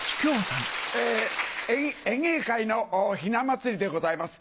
演芸界の雛祭りでございます。